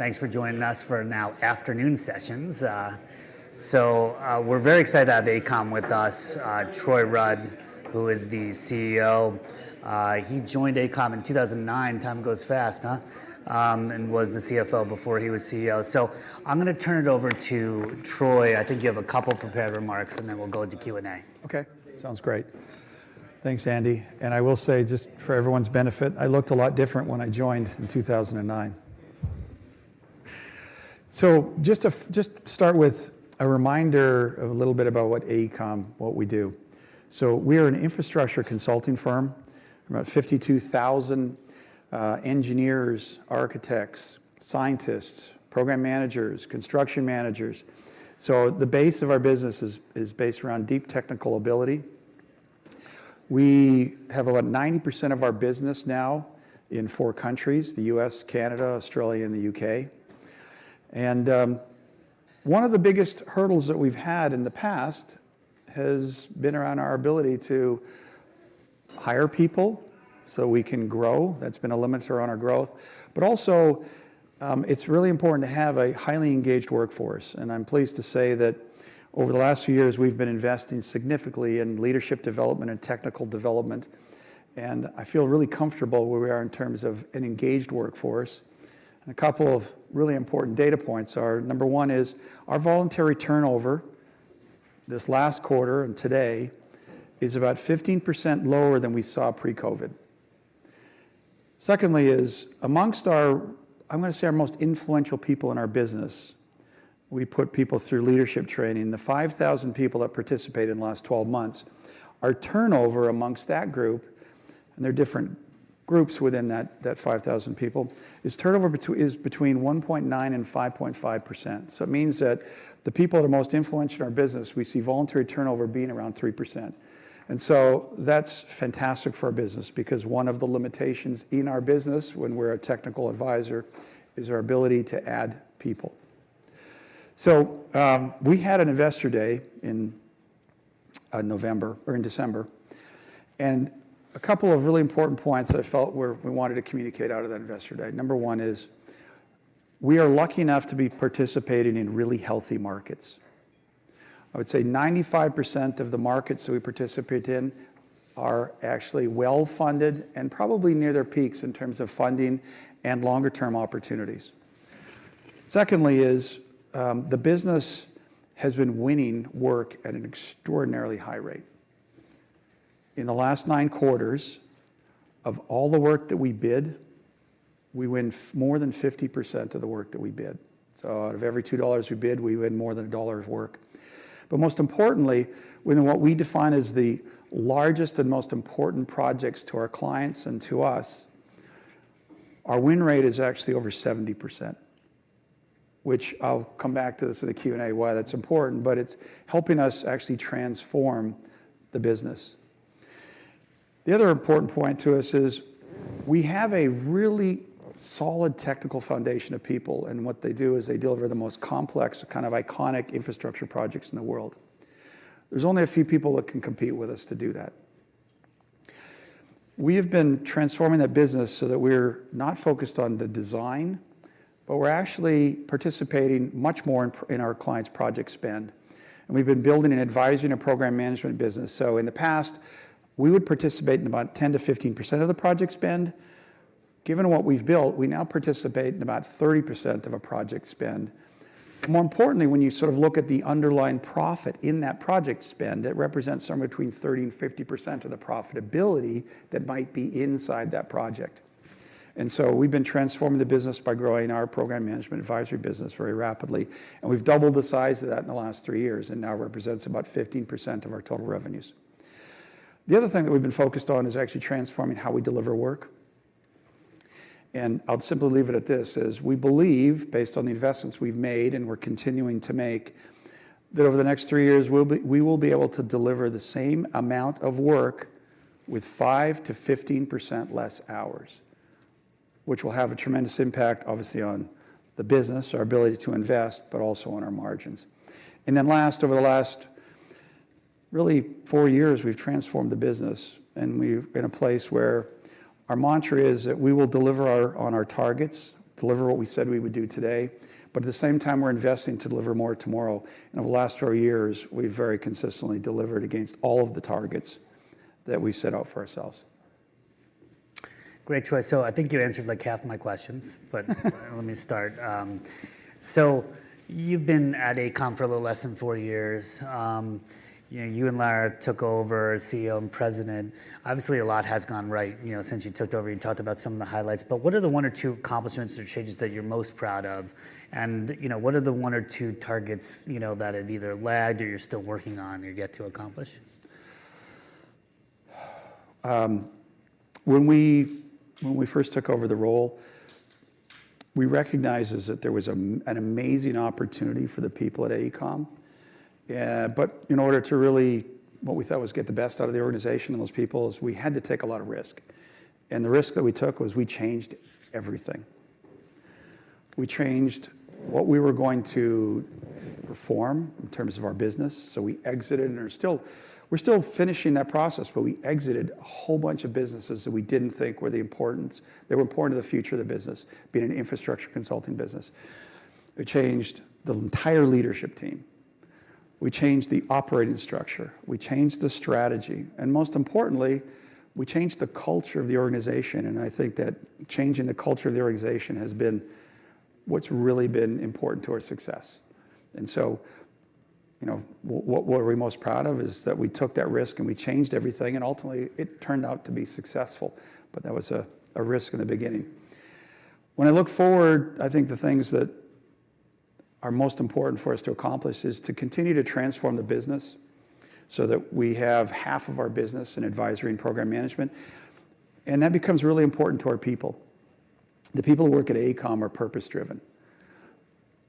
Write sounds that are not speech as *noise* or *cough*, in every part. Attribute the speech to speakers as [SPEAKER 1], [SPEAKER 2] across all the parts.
[SPEAKER 1] Thanks for joining us for now afternoon sessions. So, we're very excited to have AECOM with us. Troy Rudd, who is the CEO, he joined AECOM in 2009, time goes fast, huh, and was the CFO before he was CEO. So I'm going to turn it over to Troy. I think you have a couple prepared remarks, and then we'll go into Q&A.
[SPEAKER 2] Okay, sounds great. Thanks, Andy. And I will say, just for everyone's benefit, I looked a lot different when I joined in 2009. So just start with a reminder of a little bit about what AECOM, what we do. So we are an infrastructure consulting firm. We're about 52,000 engineers, architects, scientists, program managers, construction managers. So the base of our business is based around deep technical ability. We have about 90% of our business now in four countries: the U.S., Canada, Australia, and the U.K. And one of the biggest hurdles that we've had in the past has been around our ability to hire people so we can grow. That's been a limiter on our growth. But also, it's really important to have a highly engaged workforce. I'm pleased to say that over the last few years, we've been investing significantly in leadership development and technical development, and I feel really comfortable where we are in terms of an engaged workforce. A couple of really important data points are: number one is our voluntary turnover this last quarter and today is about 15% lower than we saw pre-COVID. Secondly is amongst our, I'm going to say our most influential people in our business, we put people through leadership training. The 5,000 people that participate in the last 12 months, our turnover amongst that group, and there are different groups within that, that 5,000 people is turnover between 1.9%-5.5%. It means that the people that are most influential in our business, we see voluntary turnover being around 3%. That's fantastic for our business because one of the limitations in our business when we're a technical advisor is our ability to add people. We had an investor day in November or in December, and a couple of really important points I felt were, we wanted to communicate out of that Investor Day. Number one is we are lucky enough to be participating in really healthy markets. I would say 95% of the markets that we participate in are actually well-funded and probably near their peaks in terms of funding and longer-term opportunities. Secondly is, the business has been winning work at an extraordinarily high rate. In the last nine quarters of all the work that we bid, we win more than 50% of the work that we bid. So out of every $2 we bid, we win more than $1 of work. But most importantly, within what we define as the largest and most important projects to our clients and to us, our win rate is actually over 70%, which I'll come back to this in the Q&A why that's important, but it's helping us actually transform the business. The other important point to us is we have a really solid technical foundation of people, and what they do is they deliver the most complex kind of iconic infrastructure projects in the world. There's only a few people that can compete with us to do that. We have been transforming that business so that we're not focused on the design, but we're actually participating much more in our clients' project spend. And we've been building an Advisory and Program Management business. So in the past, we would participate in about 10%-15% of the project spend. Given what we've built, we now participate in about 30% of a project spend. More importantly, when you sort of look at the underlying profit in that project spend, it represents somewhere between 30%-50% of the profitability that might be inside that project. And so we've been transforming the business by growing our program management advisory business very rapidly, and we've doubled the size of that in the last three years, and now represents about 15% of our total revenues. The other thing that we've been focused on is actually transforming how we deliver work. I'll simply leave it at this: we believe, based on the investments we've made and we're continuing to make, that over the next three years, we will be able to deliver the same amount of work with 5%-15% less hours, which will have a tremendous impact, obviously, on the business, our ability to invest, but also on our margins. Then last, over the last really four years, we've transformed the business, and we're in a place where our mantra is that we will deliver on our targets, deliver what we said we would do today, but at the same time, we're investing to deliver more tomorrow. Over the last four years, we've very consistently delivered against all of the targets that we set out for ourselves.
[SPEAKER 1] Great, Troy. So I think you answered like half of my questions, but let me start. So you've been at AECOM for a little less than four years. You know, you and Lara took over as CEO and President. Obviously, a lot has gone right, you know, since you took over. You talked about some of the highlights, but what are the one or two accomplishments or changes that you're most proud of? And, you know, what are the one or two targets, you know, that have either lagged or you're still working on or you're yet to accomplish?
[SPEAKER 2] When we first took over the role, we recognized that there was an amazing opportunity for the people at AECOM. But in order to really get the best out of the organization and those people, we had to take a lot of risk. And the risk that we took was we changed everything. We changed what we were going to perform in terms of our business. So we exited, and we're still finishing that process, but we exited a whole bunch of businesses that we didn't think they were important to the future of the business, being an infrastructure consulting business. We changed the entire leadership team. We changed the operating structure. We changed the strategy. And most importantly, we changed the culture of the organization. I think that changing the culture of the organization has been what's really been important to our success. So, you know, what are we most proud of is that we took that risk and we changed everything, and ultimately, it turned out to be successful, but that was a risk in the beginning. When I look forward, I think the things that are most important for us to accomplish is to continue to transform the business so that we have half of our business in Advisory and Program Management, and that becomes really important to our people. The people who work at AECOM are purpose-driven.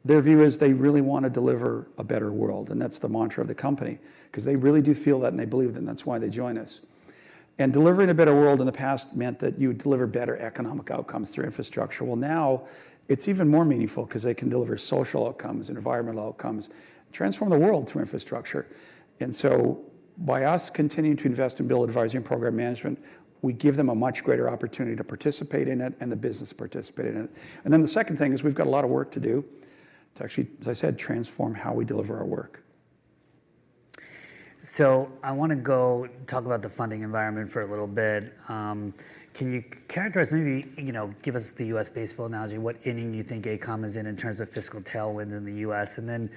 [SPEAKER 2] Their view is they really want to deliver a better world, and that's the mantra of the company because they really do feel that and they believe that, and that's why they join us. Delivering a better world in the past meant that you would deliver better economic outcomes through infrastructure. Well, now it's even more meaningful because they can deliver social outcomes and environmental outcomes, transform the world through infrastructure. And so by us continuing to invest and build Advisory and Program Management, we give them a much greater opportunity to participate in it and the business to participate in it. And then the second thing is we've got a lot of work to do to actually, as I said, transform how we deliver our work.
[SPEAKER 1] So I want to go talk about the funding environment for a little bit. Can you characterize maybe, you know, give us the U.S. baseball analogy, what inning you think AECOM is in in terms of fiscal tailwinds in the U.S.? And then,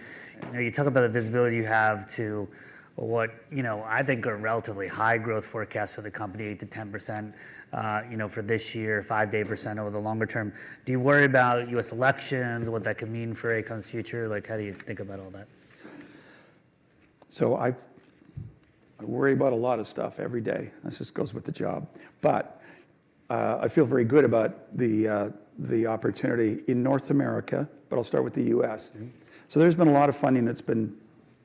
[SPEAKER 1] you know, you talk about the visibility you have to what, you know, I think are relatively high growth forecasts for the company: 8%-10%, you know, for this year, 5%-8% over the longer term. Do you worry about U.S. elections, what that could mean for AECOM's future? Like, how do you think about all that?
[SPEAKER 2] So I worry about a lot of stuff every day. That just goes with the job. But I feel very good about the opportunity in North America, but I'll start with the U.S. So there's been a lot of funding that's been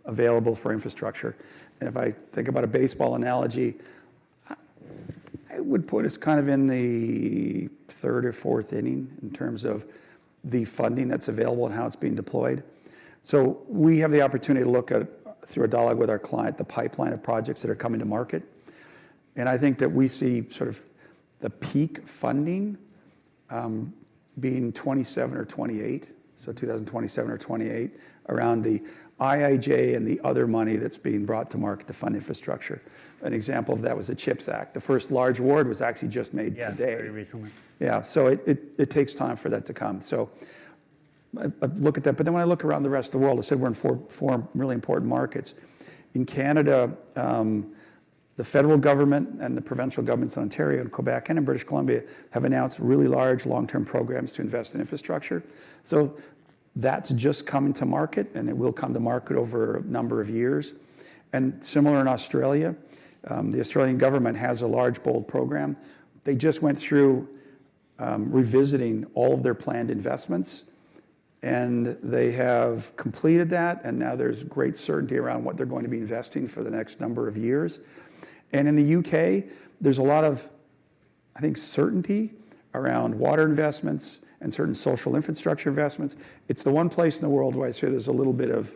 [SPEAKER 2] available for infrastructure. And if I think about a baseball analogy, I would put us kind of in the third or fourth inning in terms of the funding that's available and how it's being deployed. So we have the opportunity to look at, through a dialogue with our client, the pipeline of projects that are coming to market. And I think that we see sort of the peak funding being 2027 or 2028, around the IIJA and the other money that's being brought to market to fund infrastructure. An example of that was the CHIPS Act. The first large award was actually just made today.
[SPEAKER 1] Yeah, very recently.
[SPEAKER 2] Yeah. So it takes time for that to come. So I look at that. But then when I look around the rest of the world, I said we're in four really important markets. In Canada, the federal government and the provincial governments in Ontario and Quebec and in British Columbia have announced really large long-term programs to invest in infrastructure. So that's just coming to market, and it will come to market over a number of years. And similar in Australia, the Australian government has a large BOLD program. They just went through, revisiting all of their planned investments, and they have completed that, and now there's great certainty around what they're going to be investing for the next number of years. And in the UK, there's a lot of, I think, certainty around water investments and certain social infrastructure investments. It's the one place in the world where I see there's a little bit of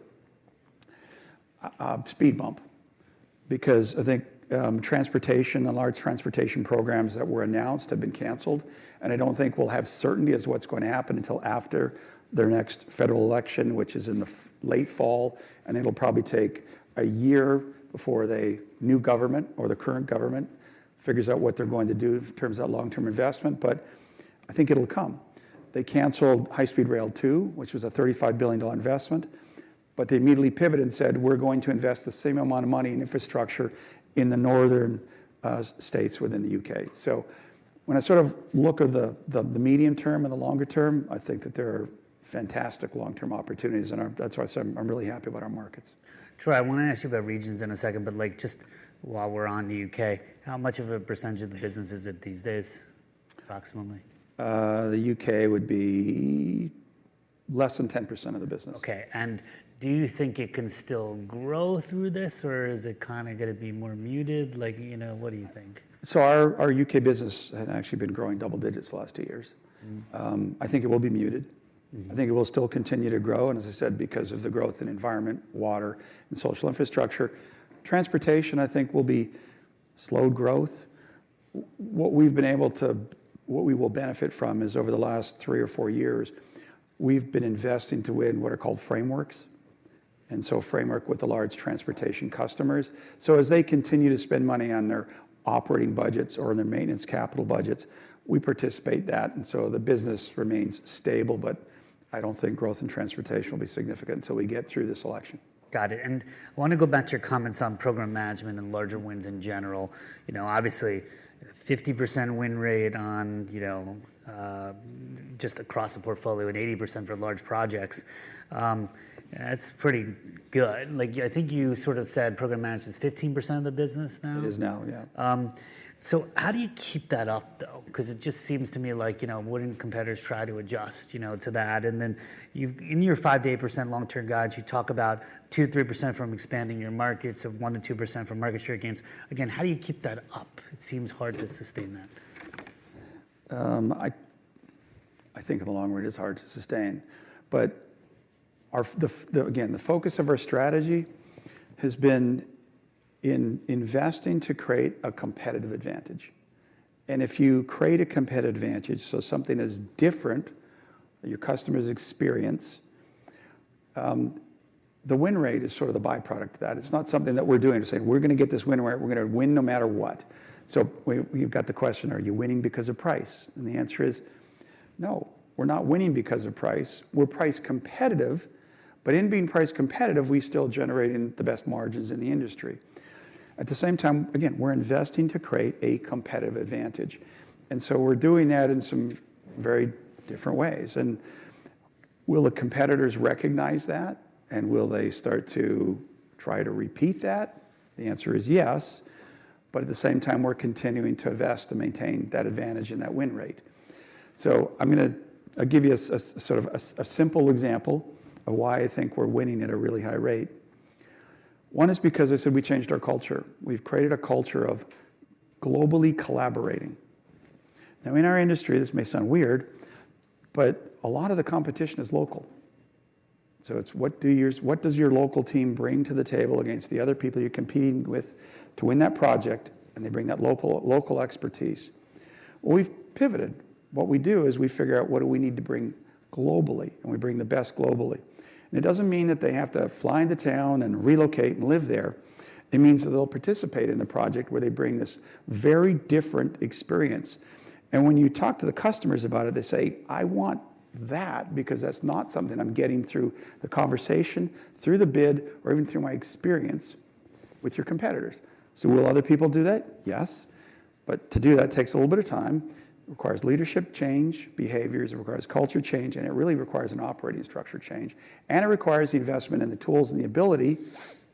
[SPEAKER 2] a speed bump because I think transportation and large transportation programs that were announced have been canceled, and I don't think we'll have certainty as to what's going to happen until after their next federal election, which is in the late fall, and it'll probably take a year before the new government or the current government figures out what they're going to do in terms of that long-term investment. But I think it'll come. They canceled High Speed 2, which was a $35 billion investment, but they immediately pivoted and said, "We're going to invest the same amount of money in infrastructure in the northern states within the U.K." So when I sort of look at the medium term and the longer term, I think that there are fantastic long-term opportunities in our markets. That's why I said I'm really happy about our markets.
[SPEAKER 1] Troy, I want to ask you about regions in a second, but like just while we're on the UK, how much of a percentage of the business is it these days, approximately?
[SPEAKER 2] The U.K. would be less than 10% of the business.
[SPEAKER 1] Okay. Do you think it can still grow through this, or is it kind of going to be more muted? Like, you know, what do you think?
[SPEAKER 2] So our U.K. business has actually been growing double digits the last two years. I think it will be muted. I think it will still continue to grow, and as I said, because of the growth in environment, water, and social infrastructure. Transportation, I think, will be slowed growth. What we will benefit from is over the last three or four years, we've been investing to win what are called frameworks, and so framework with the large transportation customers. So as they continue to spend money on their operating budgets or on their maintenance capital budgets, we participate in that, and so the business remains stable, but I don't think growth in transportation will be significant until we get through this election.
[SPEAKER 1] Got it. I want to go back to your comments on program management and larger wins in general. You know, obviously, 50% win rate on, you know, just across the portfolio and 80% for large projects, that's pretty good. Like, I think you sort of said program management is 15% of the business now.
[SPEAKER 2] It is now, yeah.
[SPEAKER 1] How do you keep that up, though? Because it just seems to me like, you know, wouldn't competitors try to adjust, you know, to that? And then you've, in your 5%-8% long-term guides, you talk about 2%-3% from expanding your markets, of 1%-2% from market share gains. Again, how do you keep that up? It seems hard to sustain that.
[SPEAKER 2] I think in the long run it is hard to sustain, but our, again, the focus of our strategy has been in investing to create a competitive advantage. And if you create a competitive advantage, so something that's different than your customer's experience, the win rate is sort of the byproduct of that. It's not something that we're doing to say, "We're going to get this win rate. We're going to win no matter what." So we've got the question, "Are you winning because of price?" And the answer is, "No, we're not winning because of price. We're price competitive, but in being price competitive, we're still generating the best margins in the industry." At the same time, again, we're investing to create a competitive advantage, and so we're doing that in some very different ways. Will the competitors recognize that, and will they start to try to repeat that? The answer is yes, but at the same time, we're continuing to invest to maintain that advantage and that win rate. So I'm going to give you a sort of a simple example of why I think we're winning at a really high rate. One is because, as I said, we changed our culture. We've created a culture of globally collaborating. Now, in our industry, this may sound weird, but a lot of the competition is local. So it's, "What does your local team bring to the table against the other people you're competing with to win that project, and they bring that local expertise?" Well, we've pivoted. What we do is we figure out what do we need to bring globally, and we bring the best globally. It doesn't mean that they have to fly into town and relocate and live there. It means that they'll participate in the project where they bring this very different experience. And when you talk to the customers about it, they say, "I want that because that's not something I'm getting through the conversation, through the bid, or even through my experience with your competitors." So will other people do that?" Yes, but to do that takes a little bit of time, requires leadership change, behaviors, it requires culture change, and it really requires an operating structure change, and it requires the investment in the tools and the ability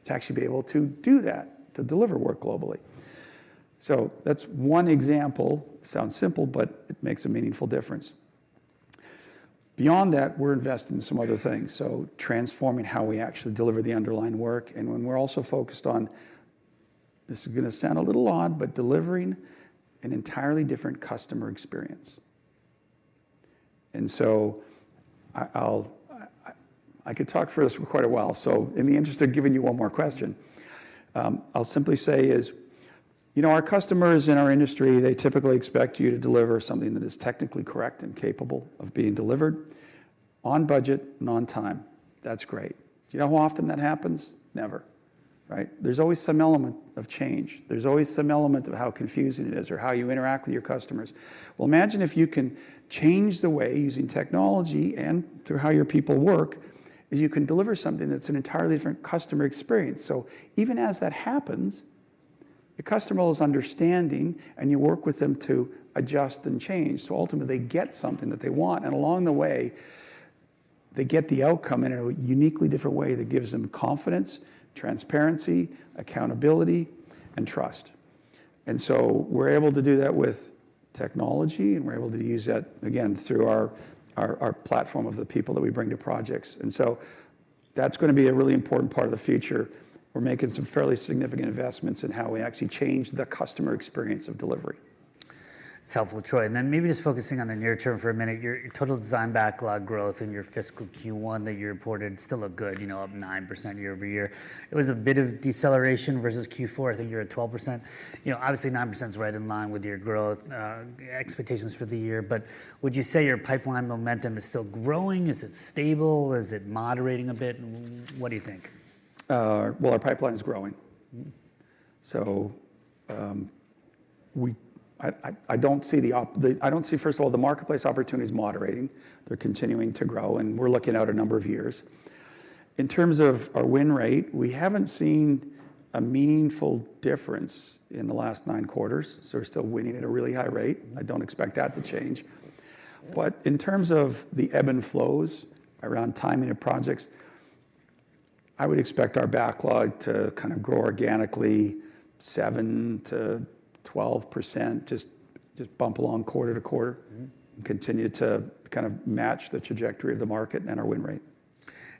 [SPEAKER 2] to actually be able to do that, to deliver work globally. So that's one example. It sounds simple, but it makes a meaningful difference. Beyond that, we're investing in some other things, so transforming how we actually deliver the underlying work. When we're also focused on, this is going to sound a little odd, but delivering an entirely different customer experience. So I'll, I could talk for this for quite a while. In the interest of giving you one more question, I'll simply say is, you know, our customers in our industry, they typically expect you to deliver something that is technically correct and capable of being delivered on budget and on time. That's great. Do you know how often that happens? Never, right? There's always some element of change. There's always some element of how confusing it is or how you interact with your customers. Well, imagine if you can change the way using technology and through how your people work, is you can deliver something that's an entirely different customer experience. So even as that happens, the customer is understanding, and you work with them to adjust and change. So ultimately, they get something that they want, and along the way, they get the outcome in a uniquely different way that gives them confidence, transparency, accountability, and trust. And so we're able to do that with technology, and we're able to use that, again, through our platform of the people that we bring to projects. And so that's going to be a really important part of the future. We're making some fairly significant investments in how we actually change the customer experience of delivery.
[SPEAKER 1] It's helpful, Troy. And then maybe just focusing on the near term for a minute, your total design backlog growth in your fiscal Q1 that you reported still looked good, you know, up 9% year-over-year. It was a bit of deceleration versus Q4. I think you're at 12%. You know, obviously, 9% is right in line with your growth expectations for the year, but would you say your pipeline momentum is still growing? Is it stable? Is it moderating a bit? What do you think?
[SPEAKER 2] Well, our pipeline is growing. So, we don't see, first of all, the marketplace opportunities moderating. They're continuing to grow, and we're looking out a number of years. In terms of our win rate, we haven't seen a meaningful difference in the last nine quarters, so we're still winning at a really high rate. I don't expect that to change. But in terms of the ebb and flows around timing of projects, I would expect our backlog to kind of grow organically 7%-12%, just bump along quarter to quarter and continue to kind of match the trajectory of the market and our win rate.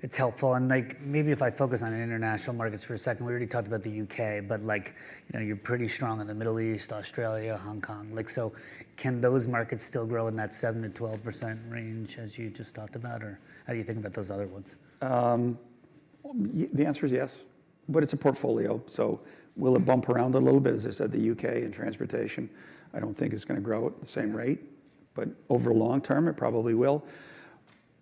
[SPEAKER 1] It's helpful. Like, maybe if I focus on international markets for a second, we already talked about the U.K., but like, you know, you're pretty strong in the Middle East, Australia, Hong Kong. Like, so can those markets still grow in that 7%-12% range as you just talked about, or how do you think about those other ones?
[SPEAKER 2] The answer is yes, but it's a portfolio. So will it bump around a little bit? As I said, the U.K. in transportation, I don't think it's going to grow at the same rate, but over the long term, it probably will.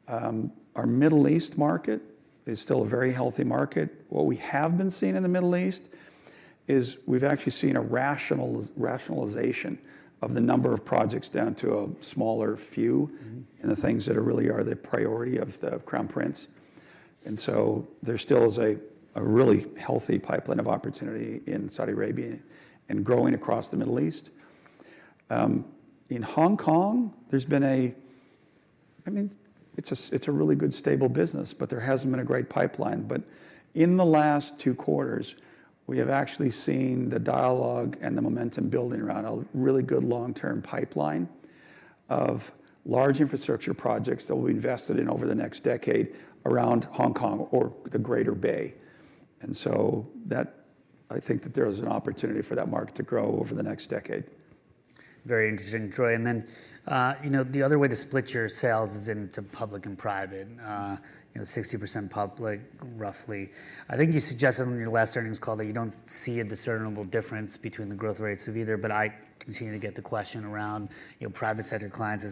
[SPEAKER 2] Our Middle East market is still a very healthy market. What we have been seeing in the Middle East is we've actually seen a rationalization of the number of projects down to a smaller few and the things that really are the priority of the Crown Prince. And so there still is a really healthy pipeline of opportunity in Saudi Arabia and growing across the Middle East. In Hong Kong, there's been a, I mean, it's a really good stable business, but there hasn't been a great pipeline. But in the last two quarters, we have actually seen the dialogue and the momentum building around a really good long-term pipeline of large infrastructure projects that will be invested in over the next decade around Hong Kong or the Greater Bay. And so that, I think that there is an opportunity for that market to grow over the next decade.
[SPEAKER 1] Very interesting, Troy. And then, you know, the other way to split your sales is into public and private, you know, 60% public, roughly. I think you suggested in your last earnings call that you don't see a discernible difference between the growth rates of either, but I continue to get the question around, you know, private-sector clients,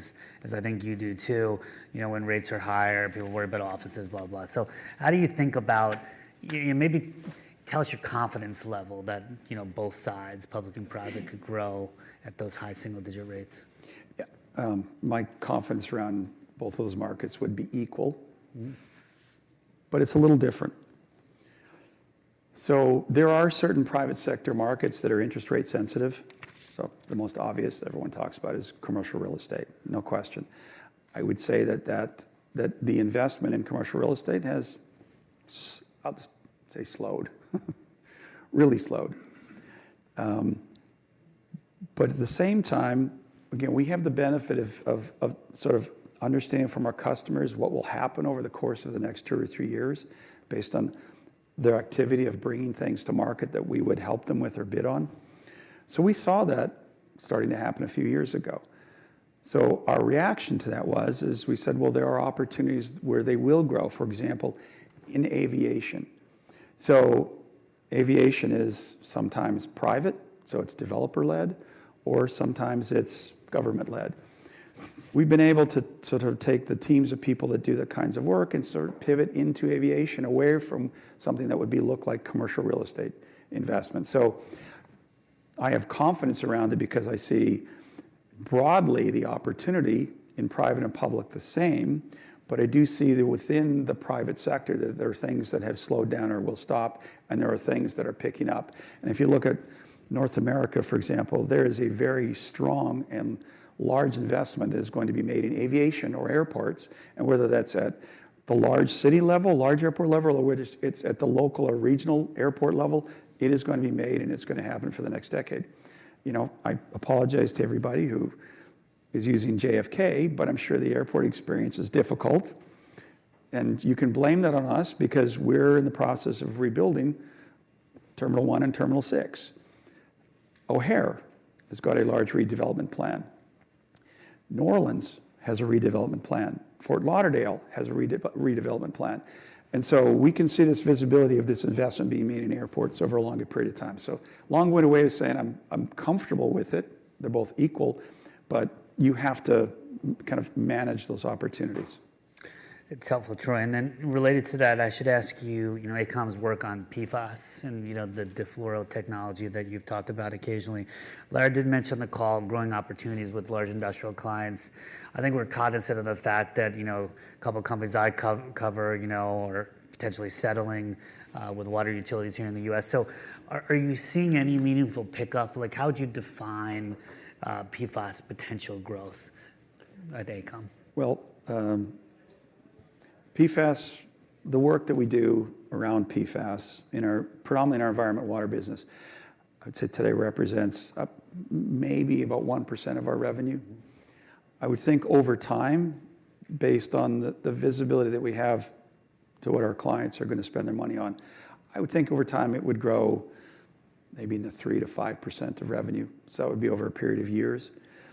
[SPEAKER 1] as I think you do too, you know, when rates are higher, people worry about offices, blah, blah, blah. So how do you think about, you know, maybe tell us your confidence level that, you know, both sides, public and private, could grow at those high single-digit rates?
[SPEAKER 2] Yeah, my confidence around both of those markets would be equal, but it's a little different. So there are certain private-sector markets that are interest rate sensitive. So the most obvious everyone talks about is commercial real estate, no question. I would say that the investment in commercial real estate has, I'll just say, slowed, really slowed. But at the same time, again, we have the benefit of sort of understanding from our customers what will happen over the course of the next two or three years based on their activity of bringing things to market that we would help them with or bid on. So we saw that starting to happen a few years ago. So our reaction to that was, is we said, well, there are opportunities where they will grow, for example, in aviation. So aviation is sometimes private, so it's developer-led, or sometimes it's government-led. We've been able to sort of take the teams of people that do the kinds of work and sort of pivot into aviation away from something that would look like commercial real estate investment. So I have confidence around it because I see broadly the opportunity in private and public the same, but I do see that within the private sector, that there are things that have slowed down or will stop, and there are things that are picking up. If you look at North America, for example, there is a very strong and large investment that is going to be made in aviation or airports, and whether that's at the large city level, large airport level, or where it's at the local or regional airport level, it is going to be made, and it's going to happen for the next decade. You know, I apologize to everybody who is using JFK, but I'm sure the airport experience is difficult, and you can blame that on us because we're in the process of rebuilding Terminal 1 and Terminal 6. O'Hare has got a large redevelopment plan. New Orleans has a redevelopment plan. Fort Lauderdale has a redevelopment plan. And so we can see this visibility of this investment being made in airports over a longer period of time. So long window way of saying I'm comfortable with it. They're both equal, but you have to kind of manage those opportunities.
[SPEAKER 1] It's helpful, Troy. And then related to that, I should ask you, you know, AECOM's work on PFAS and, you know, the DE-FLUORO technology that you've talked about occasionally. Lara did mention on the call growing opportunities with large industrial clients. I think we're cognizant of the fact that, you know, a couple of companies I cover, you know, are potentially settling with water utilities here in the U.S.. So are you seeing any meaningful pickup? Like, how would you define PFAS potential growth at AECOM?
[SPEAKER 2] Well, PFAS, the work that we do around PFAS in our predominantly in our environmental water business, I would say today represents maybe about 1% of our revenue. I would think over time, based on the visibility that we have to what our clients are going to spend their money on, I would think over time it would grow maybe in the 3%-5% of revenue. So that would be over a period of years.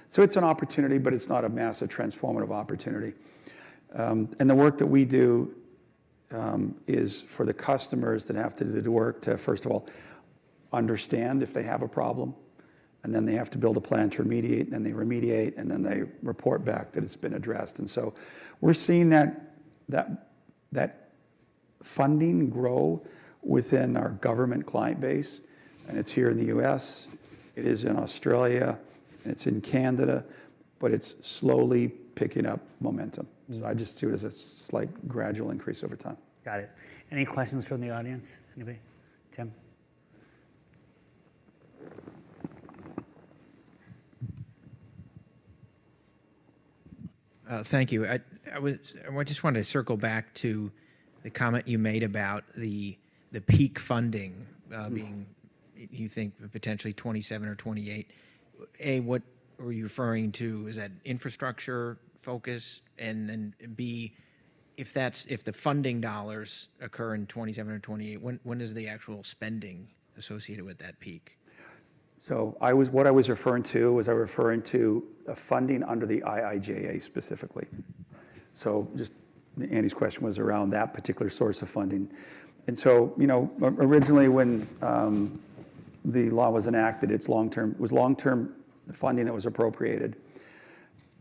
[SPEAKER 2] So it's an opportunity, but it's not a massive transformative opportunity. And the work that we do is for the customers that have to do the work to first of all understand if they have a problem, and then they have to build a plan to remediate, and then they remediate, and then they report back that it's been addressed. And so we're seeing that funding grow within our government client base, and it's here in the U.S., it is in Australia, and it's in Canada, but it's slowly picking up momentum. So I just see it as a slight gradual increase over time.
[SPEAKER 1] Got it. Any questions from the audience? Anybody? Tim?
[SPEAKER 3] Thank you. I just wanted to circle back to the comment you made about the peak funding being, you think, potentially 2027 or 2028. A, what were you referring to? Is that infrastructure focus? And then B, if the funding dollars occur in 2027 or 2028, when is the actual spending associated with that peak?
[SPEAKER 2] So I was, what I was referring to was I was referring to funding under the IIJA specifically. So just Andy's question was around that particular source of funding. And so, you know, originally when the law was enacted, it's long-term, it was long-term funding that was appropriated,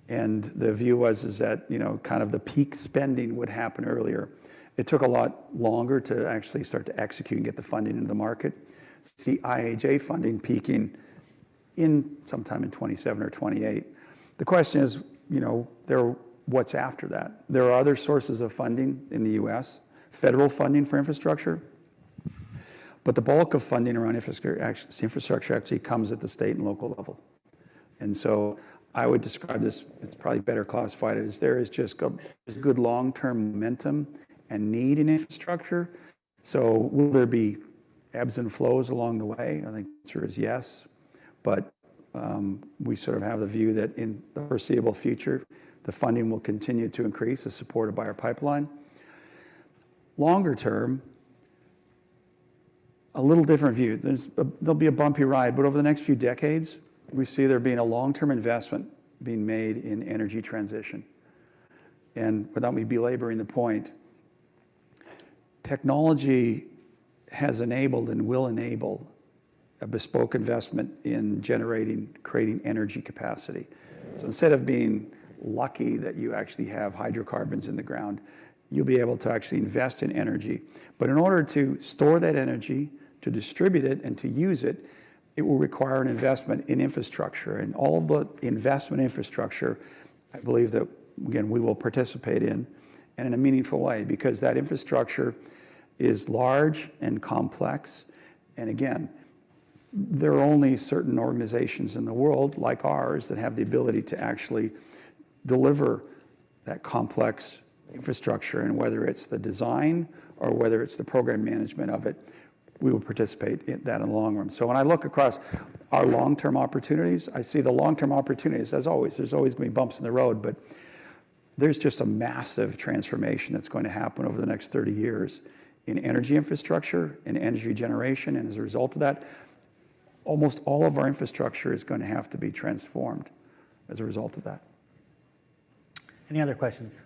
[SPEAKER 2] and the view was that, you know, kind of the peak spending would happen earlier. It took a lot longer to actually start to execute and get the funding into the market. It's the IIJA funding peaking sometime in 2027 or 2028. The question is, you know, there, what's after that? There are other sources of funding in the U.S., federal funding for infrastructure, but the bulk of funding around infrastructure actually comes at the state and local level. And so I would describe this - it's probably better classified as - there is just good long-term momentum *audio distortion* and need in infrastructure. So will there be ebbs and flows along the way? I think the answer is yes, but we sort of have the view that in the foreseeable future, the funding will continue to increase as supported by our pipeline. Longer term, a little different view. There'll be a bumpy ride, but over the next few decades, we see there being a long-term investment being made in energy transition. And without me belaboring the point, technology has enabled and will enable a bespoke investment in generating, creating energy capacity. So instead of being lucky that you actually have hydrocarbons in the ground, you'll be able to actually invest in energy. But in order to store that energy, to distribute it, and to use it, it will require an investment in infrastructure. All of the investment infrastructure, I believe that, again, we will participate in and in a meaningful way because that infrastructure is large and complex. Again, there are only certain organizations in the world like ours that have the ability to actually deliver that complex infrastructure. And whether it's the design or whether it's the program management of it, we will participate in that in the long run. So when I look across our long-term opportunities, I see the long-term opportunities, as always, there's always going to be bumps in the road, but there's just a massive transformation that's going to happen over the next 30 years in energy infrastructure and energy generation. And as a result of that, almost all of our infrastructure is going to have to be transformed as a result of that.
[SPEAKER 1] Any other questions?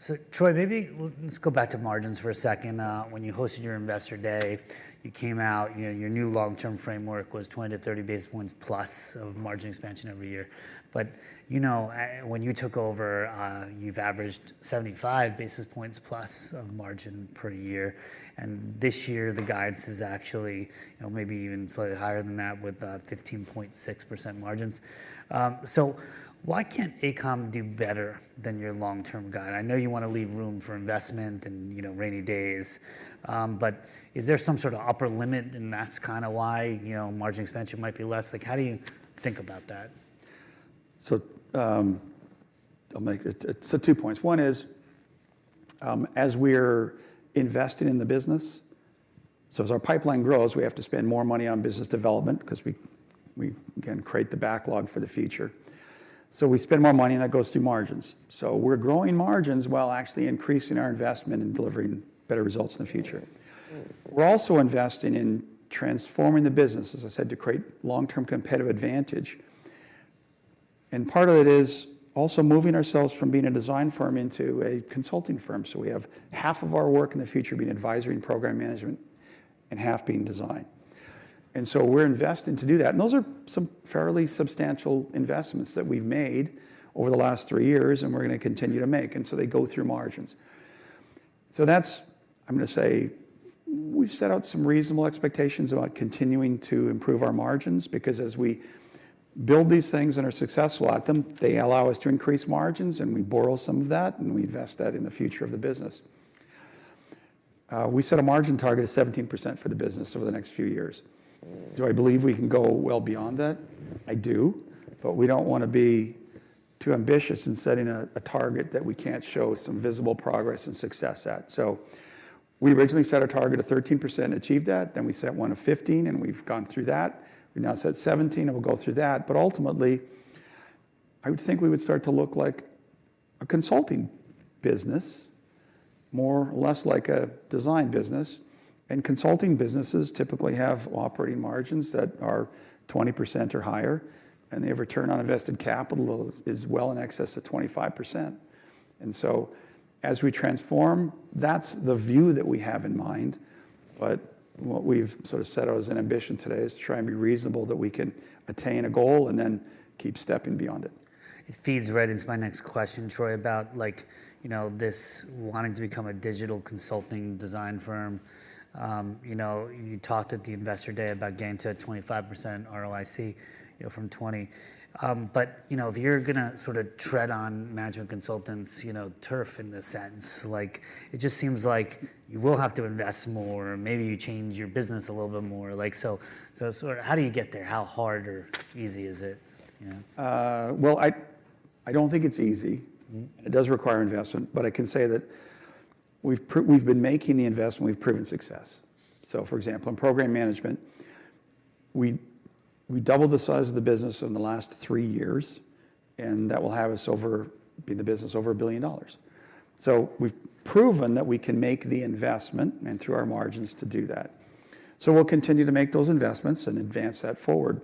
[SPEAKER 1] So, Troy, maybe let's go back to margins for a second. When you hosted your Investor Day, you came out, you know, your new long-term framework was 20-30 basis points plus of margin expansion every year. But, you know, when you took over, you've averaged 75 basis points plus of margin per year, and this year the guidance is actually, you know, maybe even slightly higher than that with 15.6% margins. So why can't AECOM do better than your long-term guide? I know you want to leave room for investment and, you know, rainy days, but is there some sort of upper limit? And that's kind of why, you know, margin expansion might be less. Like, how do you think about that?
[SPEAKER 2] So, I'll make it. It's two points. One is, as we're investing in the business, so as our pipeline grows, we have to spend more money on business development because we can create the backlog for the future. So we spend more money, and that goes through margins. So we're growing margins while actually increasing our investment and delivering better results in the future. We're also investing in transforming the business, as I said, to create long-term competitive advantage. And part of it is also moving ourselves from being a design firm into a consulting firm. So we have half of our work in the future being Advisory and Program Management and half being design. And so we're investing to do that, and those are some fairly substantial investments that we've made over the last three years, and we're going to continue to make. And so they go through margins. So that's, I'm going to say, we've set out some reasonable expectations about continuing to improve our margins because as we build these things and are successful at them, they allow us to increase margins, and we borrow some of that, and we invest that in the future of the business. We set a margin target of 17% for the business over the next few years. Do I believe we can go well beyond that? I do, but we don't want to be too ambitious in setting a target that we can't show some visible progress and success at. So we originally set a target of 13% and achieved that. Then we set one of 15%, and we've gone through that. We now set 17%, and we'll go through that. But ultimately, I would think we would start to look like a consulting business, more or less like a design business. And consulting businesses typically have operating margins that are 20% or higher, and their return on invested capital is well in excess of 25%. And so as we transform, that's the view that we have in mind. But what we've sort of set out as an ambition today is to try and be reasonable, that we can attain a goal and then keep stepping beyond it.
[SPEAKER 1] It feeds right into my next question, Troy, about, like, you know, this wanting to become a digital consulting design firm. You know, you talked at the Investor Day about getting to a 25% ROIC, you know, from 20%. But, you know, if you're going to sort of tread on management consultants' turf in this sense, like, it just seems like you will have to invest more, or maybe you change your business a little bit more. Like, so, so sort of how do you get there? How hard or easy is it? You know?
[SPEAKER 2] Well, I don't think it's easy, and it does require investment, but I can say that we've been making the investment. We've proven success. So, for example, in program management, we doubled the size of the business in the last three years, and that will have the business over $1 billion. So we've proven that we can make the investment and through our margins to do that. So we'll continue to make those investments and advance that forward.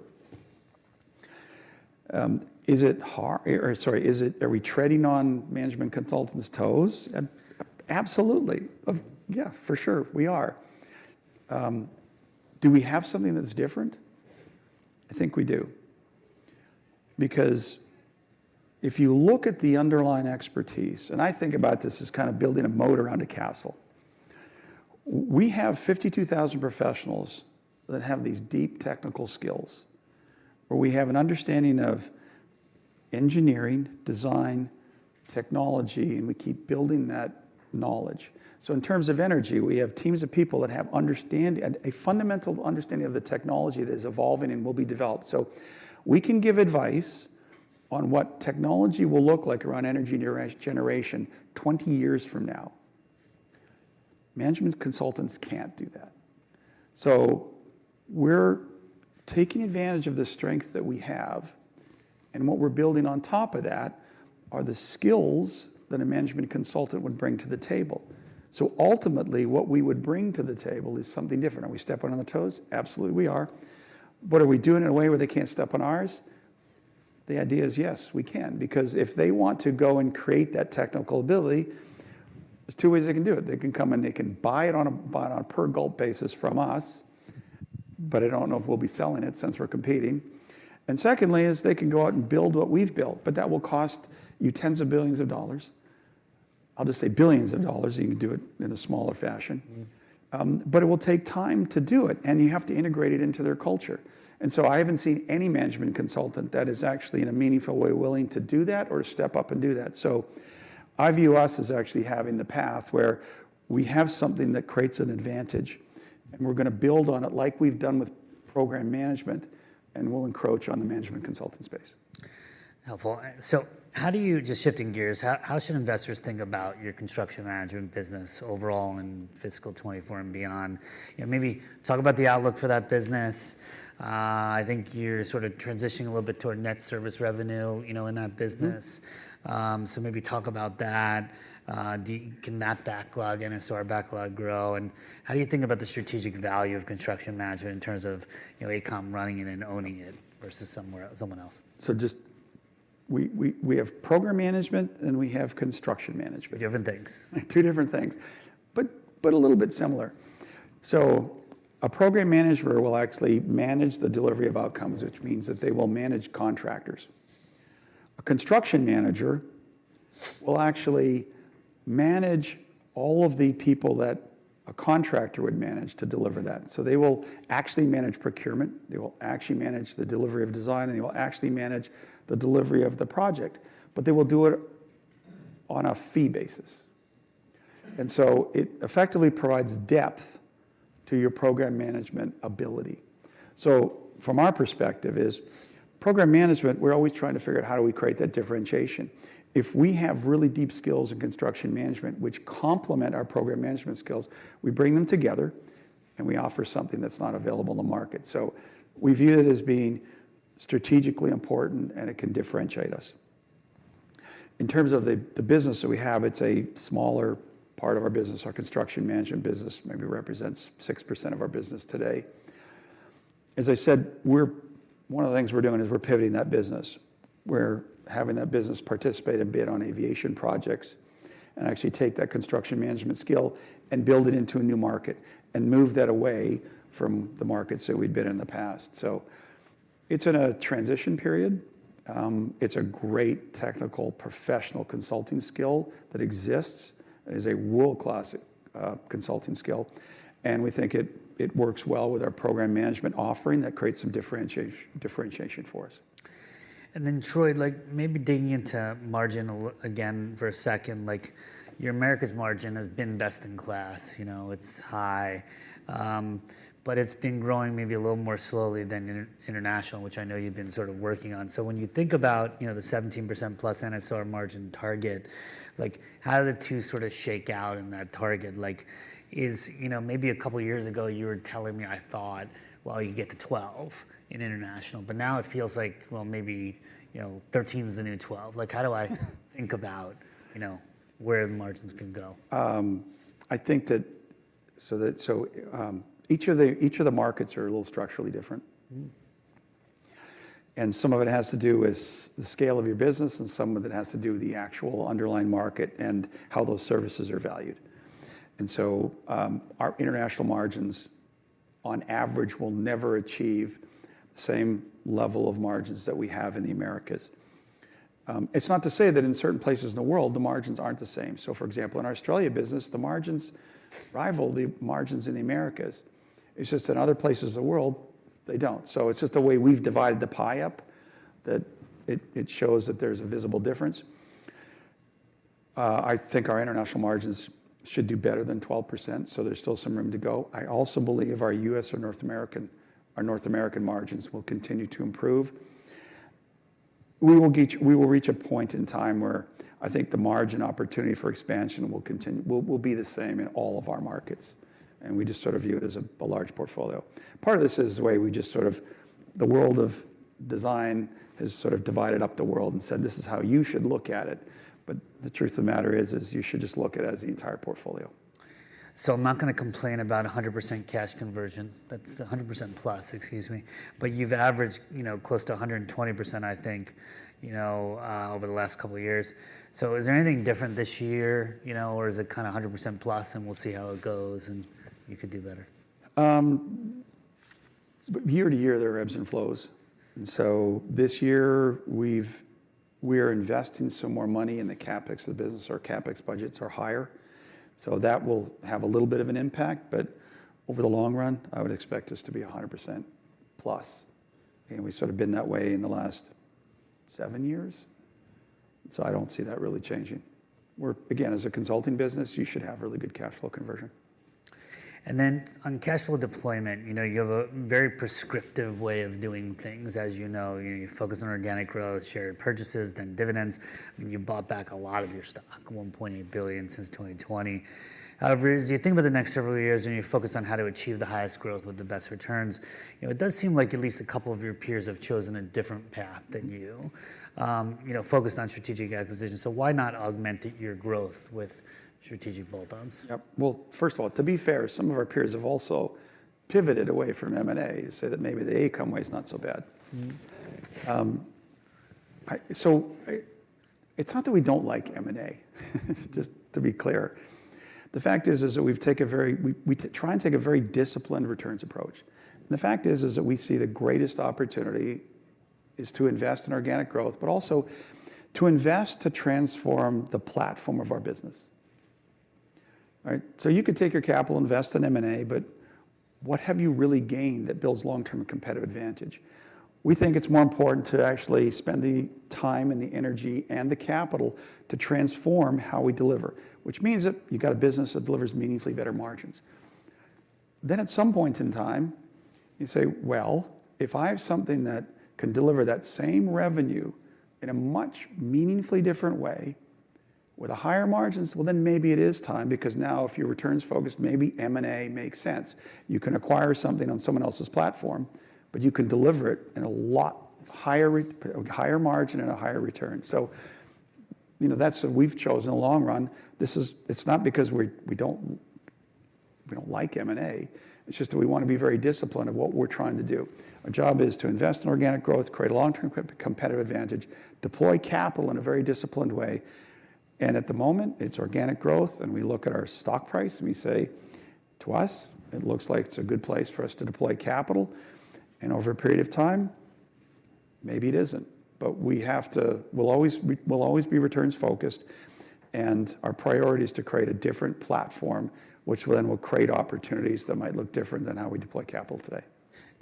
[SPEAKER 2] Is it hard? Or, sorry, are we treading on management consultants' toes? Absolutely. Yeah, for sure we are. Do we have something that's different? I think we do because if you look at the underlying expertise, and I think about this as kind of building a moat around a castle, we have 52,000 professionals that have these deep technical skills where we have an understanding of engineering, design, technology, and we keep building that knowledge. So in terms of energy, we have teams of people that have understanding and a fundamental understanding of the technology that is evolving and will be developed. So we can give advice on what technology will look like around energy generation 20 years from now. Management consultants can't do that. So we're taking advantage of the strength that we have, and what we're building on top of that are the skills that a management consultant would bring to the table. So ultimately, what we would bring to the table is something different. Are we stepping on their toes? Absolutely we are. But are we doing it in a way where they can't step on ours? The idea is yes, we can, because if they want to go and create that technical ability, there's two ways they can do it. They can come and they can buy it on a buy it on a per unit basis from us, but I don't know if we'll be selling it since we're competing. And secondly is they can go out and build what we've built, but that will cost you tens of billions of dollars. I'll just say billions of dollars. You can do it in a smaller fashion, but it will take time to do it, and you have to integrate it into their culture. And so I haven't seen any management consultant that is actually in a meaningful way willing to do that or to step up and do that. So I view us as actually having the path where we have something that creates an advantage, and we're going to build on it like we've done with Program Management, and we'll encroach on the management consultant space.
[SPEAKER 1] Helpful. So how do you, just shifting gears, how should investors think about your Construction Management business overall in fiscal 2024 and beyond? You know, maybe talk about the outlook for that business. I think you're sort of transitioning a little bit toward net service revenue, you know, in that business. So maybe talk about that. Can that backlog, NSR backlog, grow? And how do you think about the strategic value of construction management in terms of, you know, AECOM running it and owning it versus somewhere else?
[SPEAKER 2] So just we have Program Management, and we have Construction Management.
[SPEAKER 1] Different things.
[SPEAKER 2] Two different things, but a little bit similar. So a program manager will actually manage the delivery of outcomes, which means that they will manage contractors. A construction manager will actually manage all of the people that a contractor would manage to deliver that. So they will actually manage procurement, they will actually manage the delivery of design, and they will actually manage the delivery of the project, but they will do it on a fee basis. And so it effectively provides depth to your program management ability. So from our perspective, is program management, we're always trying to figure out how do we create that differentiation. If we have really deep skills in construction management which complement our program management skills, we bring them together, and we offer something that's not available in the market. So we view it as being strategically important, and it can differentiate us. In terms of the business that we have, it's a smaller part of our business. Our Construction Management business maybe represents 6% of our business today. As I said, one of the things we're doing is we're pivoting that business. We're having that business participate and bid on aviation projects and actually take that Construction Management skill and build it into a new market and move that away from the markets that we'd bid in the past. So it's in a transition period. It's a great technical professional consulting skill that exists. It is a world-class consulting skill, and we think it works well with our Program Management offering that creates some differentiation for us.
[SPEAKER 1] And then, Troy, like maybe digging into margin again for a second, like your America's margin has been best in class. You know, it's high, but it's been growing maybe a little more slowly than international, which I know you've been sort of working on. So when you think about, you know, the 17%+ NSR margin target, like how do the two sort of shake out in that target? Like is, you know, maybe a couple of years ago you were telling me I thought, well, you could get to 12% in international, but now it feels like, well, maybe, you know, 13% is the new 12%. Like how do I think about, you know, where the margins can go?
[SPEAKER 2] I think that each of the markets are a little structurally different, and some of it has to do with the scale of your business, and some of it has to do with the actual underlying market and how those services are valued. Our international margins, on average, will never achieve the same level of margins that we have in the Americas. It's not to say that in certain places in the world the margins aren't the same. So, for example, in our Australia business, the margins rival the margins in the Americas. It's just that in other places in the world, they don't. So it's just the way we've divided the pie up that it shows that there's a visible difference. I think our international margins should do better than 12%, so there's still some room to go. I also believe our U.S. or North American margins will continue to improve. We will reach a point in time where I think the margin opportunity for expansion will be the same in all of our markets, and we just sort of view it as a large portfolio. Part of this is the way we just sort of the world of design has sort of divided up the world and said, this is how you should look at it. But the truth of the matter is you should just look at it as the entire portfolio.
[SPEAKER 1] I'm not going to complain about 100% cash conversion. That's 100% plus, excuse me, but you've averaged, you know, close to 120%, I think, you know, over the last couple of years. Is there anything different this year, you know, or is it kind of 100% plus and we'll see how it goes and you could do better?
[SPEAKER 2] Year to year, there are ebbs and flows. So this year we are investing some more money in the CapEx of the business. Our CapEx budgets are higher, so that will have a little bit of an impact, but over the long run, I would expect us to be 100%+. We sort of been that way in the last seven years, so I don't see that really changing. We're, again, as a consulting business, you should have really good cash flow conversion.
[SPEAKER 1] Then on cash flow deployment, you know, you have a very prescriptive way of doing things. As you know, you know, you focus on organic growth, share purchases, then dividends. I mean, you bought back a lot of your stock, $1.8 billion since 2020. However, as you think about the next several years and you focus on how to achieve the highest growth with the best returns, you know, it does seem like at least a couple of your peers have chosen a different path than you, you know, focused on strategic acquisition. So why not augment your growth with strategic bolt-ons?
[SPEAKER 2] Yep. Well, first of all, to be fair, some of our peers have also pivoted away from M&A to say that maybe the AECOM way is not so bad. So it's not that we don't like M&A, just to be clear. The fact is, is that we try and take a very disciplined returns approach. And the fact is, is that we see the greatest opportunity is to invest in organic growth, but also to invest to transform the platform of our business. All right? So you could take your capital, invest in M&A, but what have you really gained that builds long-term competitive advantage? We think it's more important to actually spend the time and the energy and the capital to transform how we deliver, which means that you've got a business that delivers meaningfully better margins. Then at some point in time, you say, well, if I have something that can deliver that same revenue in a much meaningfully different way with higher margins, well then maybe it is time because now if you're returns focused, maybe M&A makes sense. You can acquire something on someone else's platform, but you can deliver it in a lot higher margin and a higher return. So, you know, that's what we've chosen in the long run. This, it's not because we don't like M&A, it's just that we want to be very disciplined of what we're trying to do. Our job is to invest in organic growth, create a long-term competitive advantage, deploy capital in a very disciplined way. At the moment, it's organic growth, and we look at our stock price and we say to us, it looks like it's a good place for us to deploy capital. Over a period of time, maybe it isn't, but we have to. We'll always be returns focused, and our priority is to create a different platform, which will then create opportunities that might look different than how we deploy capital today.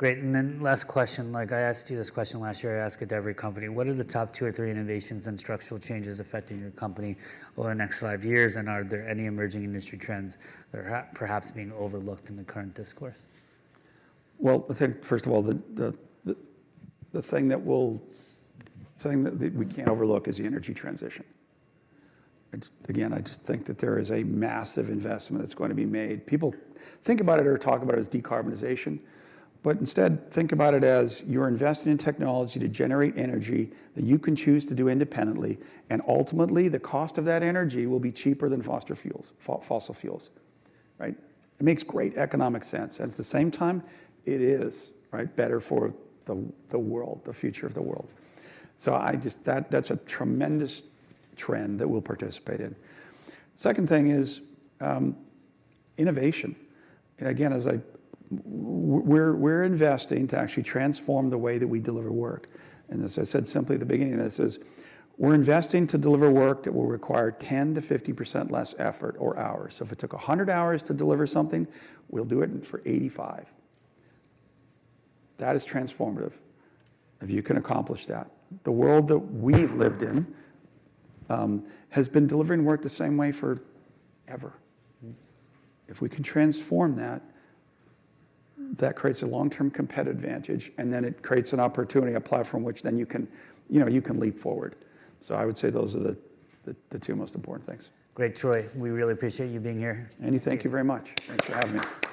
[SPEAKER 1] Great. Last question, like I asked you this question last year, I ask it to every company. What are the top two or three innovations and structural changes affecting your company over the next five years, and are there any emerging industry trends that are perhaps being overlooked in the current discourse?
[SPEAKER 2] Well, I think first of all, the thing that we can't overlook is the energy transition. Again, I just think that there is a massive investment that's going to be made. People think about it or talk about it as decarbonization, but instead think about it as you're investing in technology to generate energy that you can choose to do independently, and ultimately the cost of that energy will be cheaper than fossil fuels. Right? It makes great economic sense, and at the same time, it is, right, better for the world, the future of the world. So I just that's a tremendous trend that we'll participate in. Second thing is innovation. And again, we're investing to actually transform the way that we deliver work. As I said simply at the beginning, this is we're investing to deliver work that will require 10%-50% less effort or hours. So if it took 100 hours to deliver something, we'll do it for 85%. That is transformative if you can accomplish that. The world that we've lived in has been delivering work the same way forever. If we can transform that, that creates a long-term competitive advantage, and then it creates an opportunity, a platform which then you can, you know, you can leap forward. So I would say those are the two most important things.
[SPEAKER 1] Great, Troy. We really appreciate you being here.
[SPEAKER 2] Thank you very much. Thanks for having me.